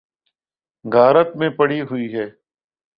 غارت میں پڑی ہوئی ہے۔